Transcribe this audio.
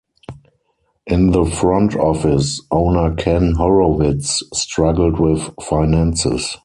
In the front office, owner Ken Horowitz struggled with finances.